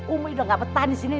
umi udah gak petah disini